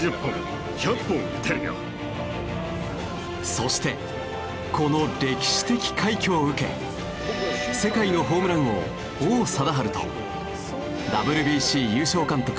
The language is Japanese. そしてこの歴史的快挙を受け世界のホームラン王王貞治とＷＢＣ優勝監督